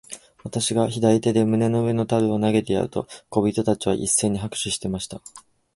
私が左手で胸の上の樽を投げてやると、小人たちは一せいに拍手しました。